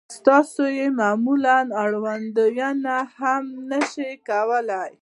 تاسې يې معمولاً وړاندوينه هم نه شئ کولای.